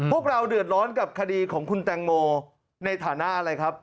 พวกเราเดือดร้อนกับคดีของคุณแตงโมในฐานะอะไรครับ